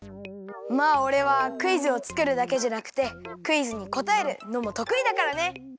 まあおれはクイズをつくるだけじゃなくてクイズにこたえるのもとくいだからね！